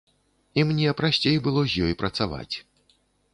І мне прасцей было з ёй працаваць.